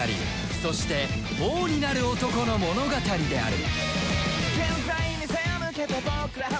そして王になる男の物語である